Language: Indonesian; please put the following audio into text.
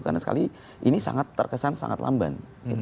karena sekali ini terkesan sangat lamban